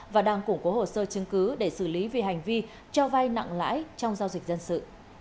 và đang củng cố hồ sơ chứng cứ để xử lý về hành vi cho vai nặng lãi trong giao dịch dân sự